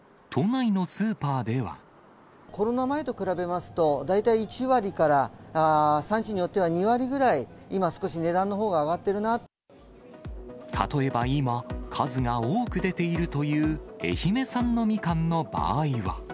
コロナ前と比べますと、大体１割から産地によっては２割ぐらい、今、少し値段のほうが上例えば今、数が多く出ているという愛媛産のみかんの場合は。